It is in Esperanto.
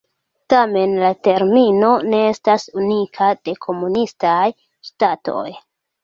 Tamen, la termino ne estas unika de komunistaj ŝtatoj.